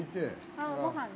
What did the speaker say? ああご飯に。